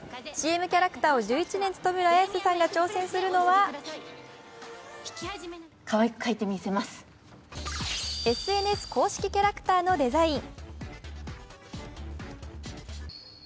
ＣＭキャラクターを１１年務める綾瀬さんが挑戦するのはＳＮＳ公式キャラクターのデザイン。